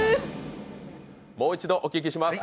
もう一度、お聞きします。